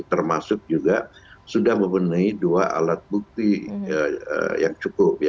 termasuk juga sudah memenuhi dua alat bukti yang cukup